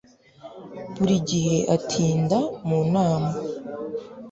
Buri gihe atinda mu nama